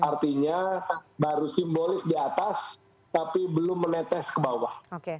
artinya baru simbolis di atas tapi belum menetes ke bawah